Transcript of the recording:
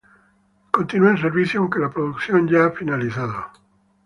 Continúa en servicio, aunque la producción ya ha finalizado.